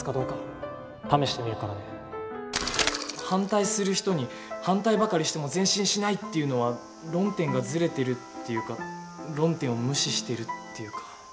反対する人に「反対ばかりしても前進しない」って言うのは論点がずれてるっていうか論点を無視してるっていうか。